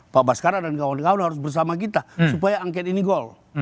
pak baskara dan kawan kawan harus bersama kita supaya angket ini goal